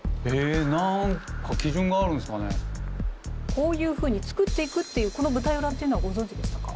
こういうふうに作っていくっていうこの舞台裏っていうのはご存じでしたか？